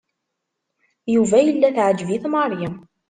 Yuba yella teɛǧeb-it Mary.